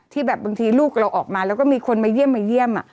ที่แบบบางทีลูกเราออกมาแล้วก็มีคนมาเยี่ยม